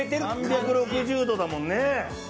３６０度だもんね。